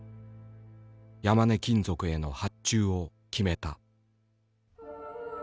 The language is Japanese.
山根金属への発注を決めた。